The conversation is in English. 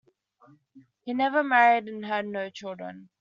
He never married and had no children.